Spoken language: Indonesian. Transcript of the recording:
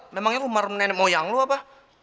memangnya rumah nenek moyang lo apa